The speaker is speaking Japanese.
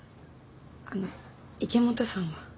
あの池本さんは？